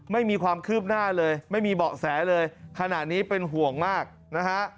ไม่มีความคืบหน้าเลยไม่มีเบาะแสเลยขณะนี้เป็นห่วงมากนะฮะ